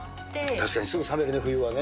確かにすぐ冷めるね、冬はね。